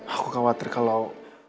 aku khawatir kalau